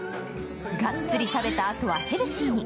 がっつり食べたあとはヘルシーに。